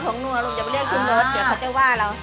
หลงอย่าไปเรียกชูรสเดี๋ยวเขาจะว่าเรา